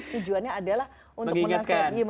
tujuannya adalah untuk mengingatkan